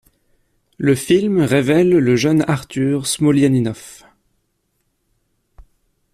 Le film révèle le jeune Arthur Smolianinov.